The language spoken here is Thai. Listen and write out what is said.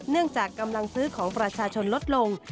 จากกำลังซื้อของประชาชนลดลง